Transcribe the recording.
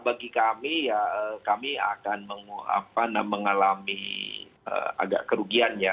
bagi kami ya kami akan mengalami agak kerugian ya